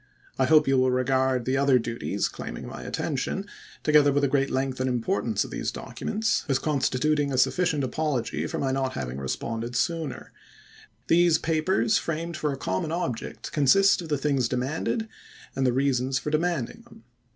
I hope you will regard the other duties claiming my attention, together with the great length and importance of these documents, as constituting a sufiicient apology for my not having responded sooner. These papers, framed for a common object, consist of the things demanded and the reasons for demanding them.